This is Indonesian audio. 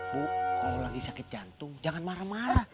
bu kalau lagi sakit jantung jangan marah marah